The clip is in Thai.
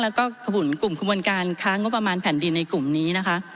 แล้วก็กลุ่มขบวนการค้างบประมาณแผ่นดินในกลุ่มนี้นะคะ